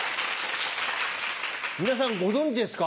皆さんご存じですか？